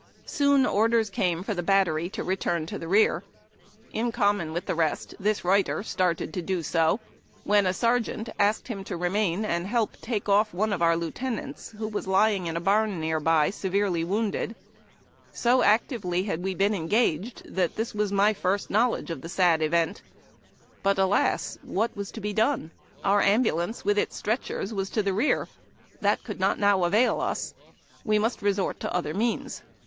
Soon orders came for the battery to return to the rear. In common with the rest, the writer started to do so when a sergeant asked him to remain and help take off one of our lieutenants, who was lying in a barn near by, severely wounded. So actively had we been engaged that this was my first 314 HABD TACK AND COFFEE. knowledge of the sad event. But, alas ! what was to be done ? Our ambulance with its stretchers was to the rear. That could not now avail us. We must resort to other means.